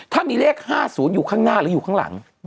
ถ้ามีเลข๕๐อยู่ข้างหน้าหรืออยู่ข้างหลัง